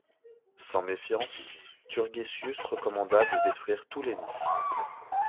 Sans méfiance, Turgesius recommanda de détruire tous les nids.